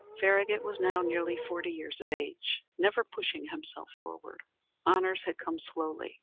Farragut was now nearly forty years of age; never pushing himself forward, honors had come slowly.